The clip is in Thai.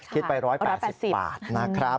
คิดไป๑๘๐บาทนะครับ